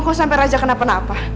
kok sampai raja kenapa napa